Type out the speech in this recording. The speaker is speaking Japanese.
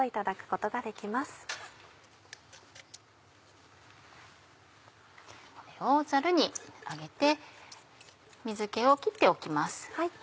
これをざるにあげて水気を切っておきます。